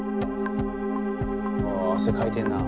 お汗かいてんな。